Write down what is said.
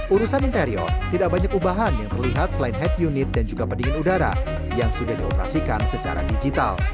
urusan interior tidak banyak ubahan yang terlihat selain head unit dan juga pendingin udara yang sudah dioperasikan secara digital